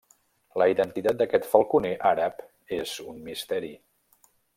La identitat d'aquest falconer àrab és un misteri.